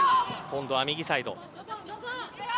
今度は右サイド。